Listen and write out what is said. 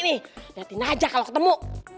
nih lihatin aja kalau ketemu